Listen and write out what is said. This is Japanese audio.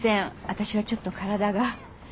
私はちょっと体が。